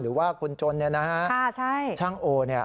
หรือว่าคนจนเนี่ยนะฮะช่างโอเนี่ย